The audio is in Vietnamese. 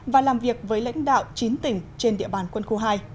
và làm việc với lãnh đạo chín tỉnh trên địa bàn quân khu hai